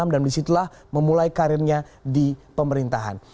dan disitulah memulai karirnya di pemerintahan